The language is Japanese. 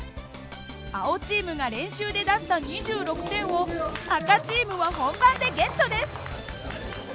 青チームが練習で出した２６点を赤チームは本番でゲットです。